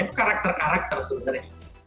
itu karakter karakter sebenarnya